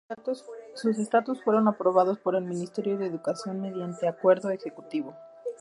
Sus estatutos fueron aprobados por el Ministerio de Educación mediante Acuerdo Ejecutivo No.